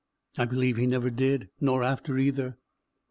I believe he never did; nor after either.